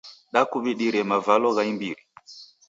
Dakuw'idire mavalo gha imbiri.